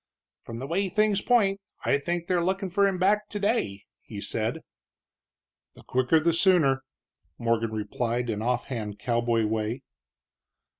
"From the way things point, I think they're lookin' for him back today," he said. "The quicker the sooner," Morgan replied in offhand cowboy way.